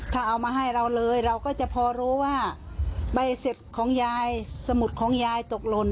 ถ้าเอามาให้เราเลยเราก็จะพอรู้ว่าใบเสร็จของยายสมุดของยายตกหล่น